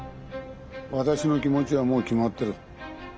私の気持ちはもう決まってる。